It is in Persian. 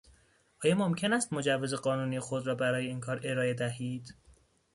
آیا ممکن است مجوز قانونی خود را برای این کار ارائه دهید؟